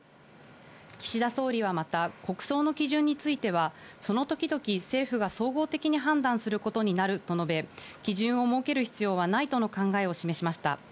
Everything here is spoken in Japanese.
岸田総理はまた、国葬の基準については、その時々、政府が総合的に判断することになると述べ、基準を設ける必要はないとの考えを示しました。